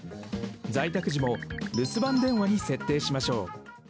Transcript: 在宅時も留守番電話に設定しましょう。